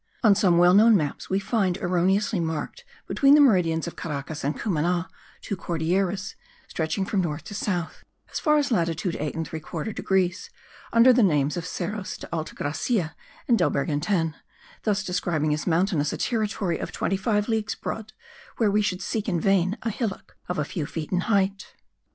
On some well known maps we find erroneously marked between the meridians of Caracas and Cumana two Cordilleras stretching from north to south, as far as latitude 8 3/4 degrees, under the names of Cerros de Alta Gracia and del Bergantin, thus describing as mountainous a territory of 25 leagues broad, where we should seek in vain a hillock of a few feet in height.